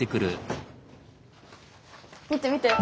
見てみて。